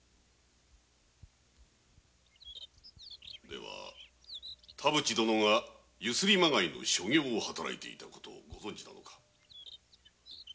では田淵殿がユスリまがいの所業を働いていた事ご存知なのか？